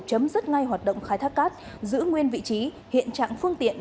chấm dứt ngay hoạt động khai thác cát giữ nguyên vị trí hiện trạng phương tiện